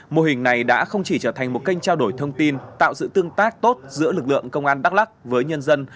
mô hình này đã không chỉ trở thành một kênh trao đổi thông tin tạo sự tương tác tốt giữa lực lượng công an đắk lắc với nhân dân